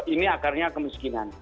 ini akarnya kemiskinan